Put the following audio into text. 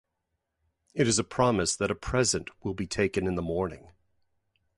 It is a promise that a present will be taken in the morning.